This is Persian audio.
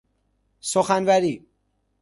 سخنوری